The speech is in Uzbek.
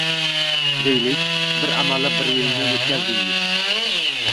Deylik, bir amallab bir yilni oʻtkazdingiz